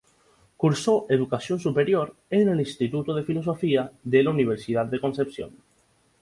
Cursó educación superior en el Instituto de Filosofía de la Universidad de Concepción.